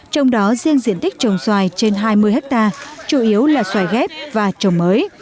trong đó riêng diện tích trồng xoài trên hai mươi hectare chủ yếu là xoài ghép và trồng mới